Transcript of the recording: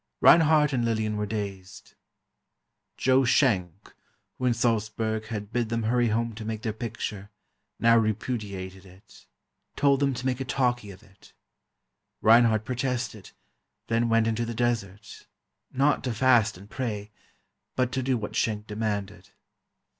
Reinhardt and Lillian were dazed. Joe Schenck, who in Salzburg had bid them hurry home to make their picture, now repudiated it—told them to make a talkie of it. Reinhardt protested, then went into the desert—not to fast and pray, but to do what Schenck demanded.